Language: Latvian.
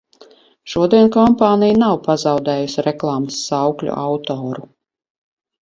Šodien kompānija nav pazaudējusi reklāmas saukļu autoru.